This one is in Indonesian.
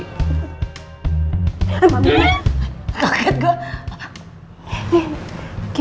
mbak mir kaget gua